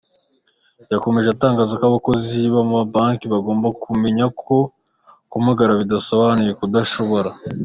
Yakomeje atangaza ko abakozi b’amabanki bagomba kumenya ko kumugara bidasobanuye kudashobora.